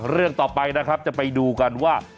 เรื่องต่อไปนะครับจะไปดูกันว่า